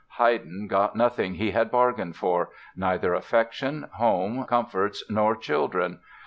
Haydn got nothing he had bargained for—neither affection, home comforts nor children.